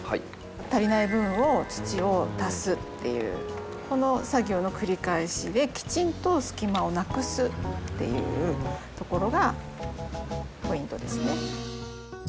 足りない部分を土を足すっていうこの作業の繰り返しできちんと隙間をなくすっていうところがポイントですね。